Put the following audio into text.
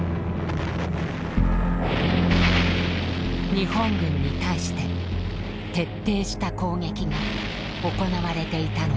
日本軍に対して徹底した攻撃が行われていたのです。